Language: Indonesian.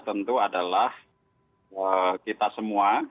tentu adalah kita semua